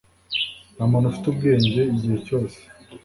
nta muntu ufite ubwenge igihe cyose